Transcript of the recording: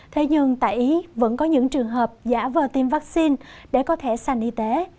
thế nhưng tại ý vẫn có những trường hợp giả vờ tiêm vaccine để có thể sành y tế